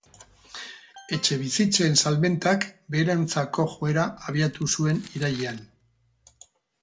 Etxebizitzen salmentak beheranzkako joera abiatu zuen irailean.